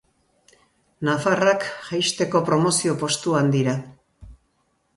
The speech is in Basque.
Nafarrak jaisteko promozio postuan dira.